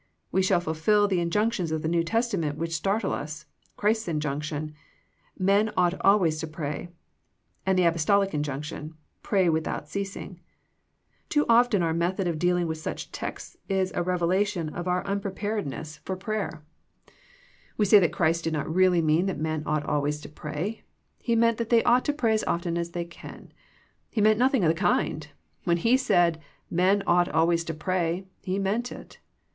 We shall fulfill the in junctions of the ^N'ew Testament which startle us — Christ's injunction, "Men ought always to pray," and the Apostolic injunction, " Pray with out ceasing." Too often our method of dealing with such texts is a revelation of our unprepared THE PEEPAEATION FOE PEAYEE 47 ness for prayer. We say Christ did not really mean that men ought always to pray. He meant that they ought to pray as often as they can. He meant nothing of the kind. When He said, "Men ought always to pray," He meant it.